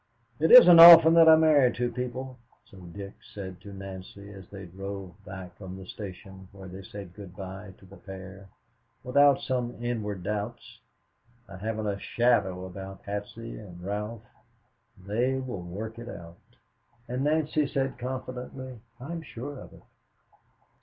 "It isn't often that I marry two people," so Dick said to Nancy as they drove back from the station where they said good by to the pair, "without some inward doubts. I haven't a shadow about Patsy and Ralph. They will work it out." And Nancy said confidently, "I am sure of it."